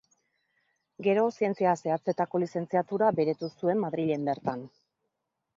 Gero Zientzia Zehatzetako lizentziatura beretu zuen Madrilen bertan.